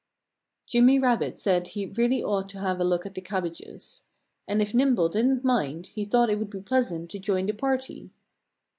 Jimmy Rabbit said he really ought to have a look at the cabbages. And if Nimble didn't mind he thought it would be pleasant to join the party.